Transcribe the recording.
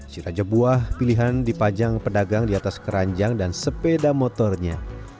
sirajabuah pilihan dipajang pedagang di atas keranjang dan sepeda motornya